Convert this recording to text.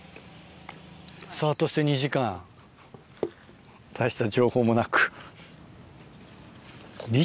スタートして２時間大した情報もなく。